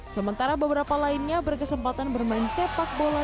sementara beberapa lainnya berkesempatan bermain sepak bola